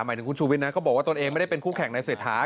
หมายถึงคุณชูวิทยนะเขาบอกว่าตนเองไม่ได้เป็นคู่แข่งในเศรษฐา